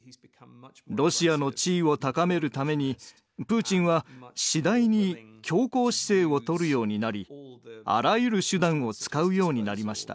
ロシアの地位を高めるためにプーチンは次第に強硬姿勢を取るようになりあらゆる手段を使うようになりました。